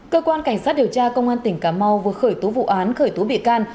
cơ quan cảnh sát điều tra công an tỉnh cà mau vừa khởi tố vụ án khởi tố bị can